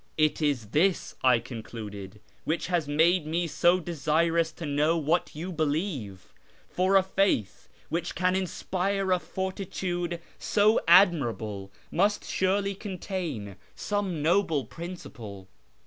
" It is this," I concluded, " which has made me so desirous to know what you believe ; for a faith which can inspire a fortitude so admirable must surely contain some noble principle."